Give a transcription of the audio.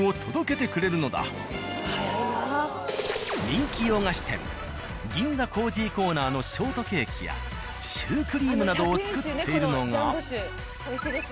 人気洋菓子店「銀座コージーコーナー」のショートケーキやシュークリームなどを作っているのが。